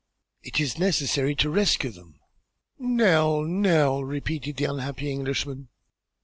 It is necessary to rescue them." "Nell! Nell!" repeated the unhappy Englishman.